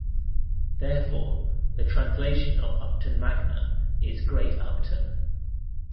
Therefore, the translation of Upton Magna is "Great Upton".